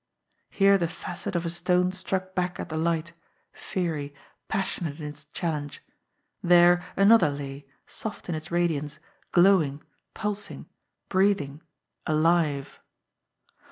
Here the facet of a stone struck back at the light, fiery, passionate in its challenge; there another lay, soft in its radiance, glowing, pulsing, breathing, alive.